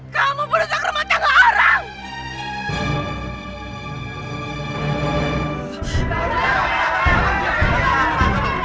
kamu bodoh seorang rumah janda orang